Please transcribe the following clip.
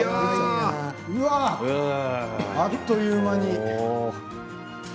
うわあ、あっという間に。